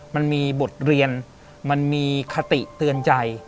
มันมีบทเรียนมันมีคติเตือนใจ